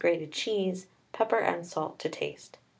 grated cheese, pepper and salt to taste.